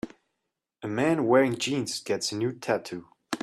A man wearing jeans gets a new tattoo.